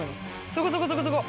そこそこそこそこ。